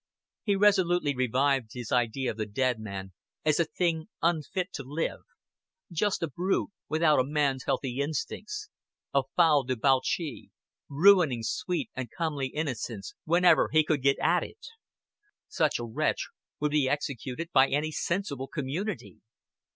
He resolutely revived his idea of the dead man as a thing unfit to live just a brute, without a man's healthy instincts a foul debauchee, ruining sweet and comely innocence whenever he could get at it. Such a wretch would be executed by any sensible community.